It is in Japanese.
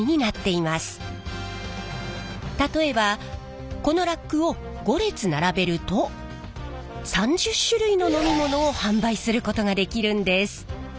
例えばこのラックを５列並べると３０種類の飲み物を販売することができるんです。